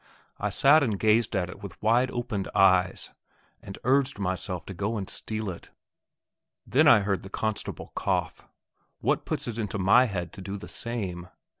I sat and gazed at it with wide opened eyes, and urged myself to go and steal it. Then I hear the constable cough. What puts it into my head to do the same?